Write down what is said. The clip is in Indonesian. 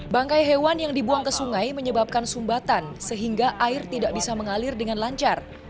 bangkai hewan yang dibuang ke sungai menyebabkan sumbatan sehingga air tidak bisa mengalir dengan lancar